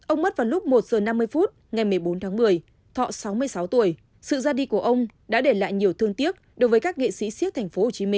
ông mất vào lúc một giờ năm mươi phút ngày một mươi bốn tháng một mươi thọ sáu mươi sáu tuổi sự ra đi của ông đã để lại nhiều thương tiếc đối với các nghệ sĩ siếc tp hcm